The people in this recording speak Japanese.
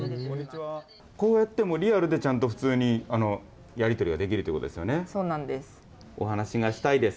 こうやってリアルでちゃんと普通にやり取りができるというこそうなんです。